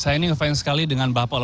saya ini ngefans sekali dengan bapak